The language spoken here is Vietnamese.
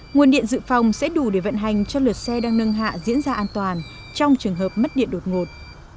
nguồn điện dự phòng sẽ đủ để vận hành cho lượt xe đang nâng hạ diễn ra an toàn trong trường hợp mất điện đột ngột